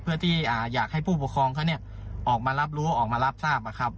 เพื่อที่อยากให้ผู้ปกครองเขาออกมารับรู้ออกมารับทราบนะครับ